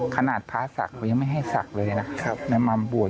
ขนาดพระศักดิ์เขายังไม่ให้ศักดิ์เลยนะมาบวช